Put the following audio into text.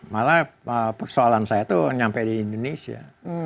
malah persoalan saya itu nyampe di indonesia